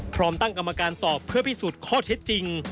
พร้อมตั้งกรรมการสอบเพื่อพิสูจน์ข้อเท็จจริง